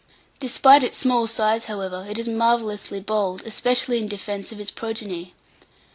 Despite its small size, however, it is marvellously bold, especially in defence of its progeny.